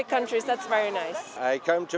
cũng từ các quốc gia